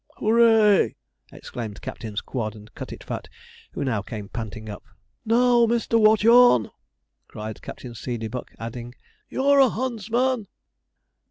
'Hoo ray!' exclaimed Captains Quod and Cutitfat, who now came panting up. 'Now, Mr. Watchorn!' cried Captain Seedeybuck, adding, 'You're a huntsman!'